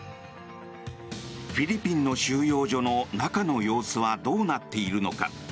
フィリピンの収容所の中の様子はどうなっているのか。